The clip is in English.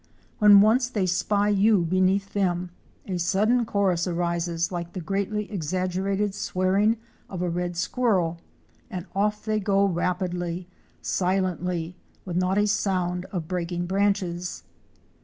When once they spy you beneath them a sudden chorus arises like the greatly exaggerated swearing of a red squirrel, and off they go rapidly, silently, with not a sound of breaking branches.